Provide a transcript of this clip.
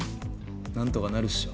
なんとかなるっしょ！